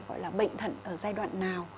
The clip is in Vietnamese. gọi là bệnh thận ở giai đoạn nào